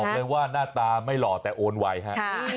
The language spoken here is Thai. บอกเลยว่าหน้าตาไม่หล่อแต่โอนไว้ค่ะ